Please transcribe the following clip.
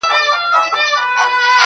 مينه كي هېره,